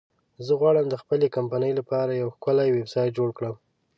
زه غواړم د خپلې کمپنی لپاره یو ښکلی ویبسایټ جوړ کړم